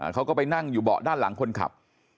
เขาก็ไปนั่งอยู่เบาะด้านหลังคนขับ